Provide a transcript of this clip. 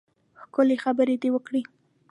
ښکلې خبرې دې وکړې.